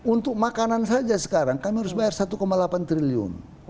untuk makanan saja sekarang kami harus bayar satu delapan triliun